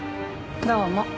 どうも。